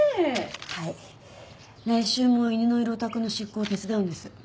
来週も犬のいるお宅の執行を手伝うんです。